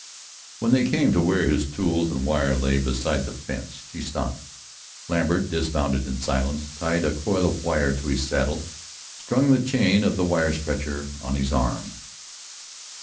When they came to where his tools and wire lay beside the fence, she stopped. Lambert dismounted in silence, tied a coil of wire to his saddle, strung the chain of the wire stretcher on his arm.